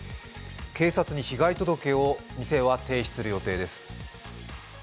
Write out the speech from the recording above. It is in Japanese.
警察に被害届を店は提出する予定です。